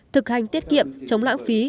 thực hành tiết kiệm chống lãng phí